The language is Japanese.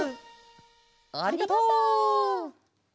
ありがとう！